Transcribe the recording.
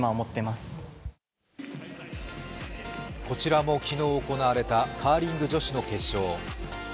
こちらも昨日行われたカーリング女子の決勝。